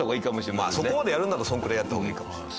まあそこまでやるんだったらそのくらいやった方がいいかもしれない。